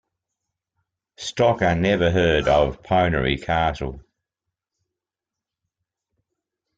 Stoker never heard of the Poenari Castle.